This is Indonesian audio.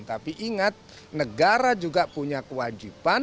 tapi ingat negara juga punya kewajiban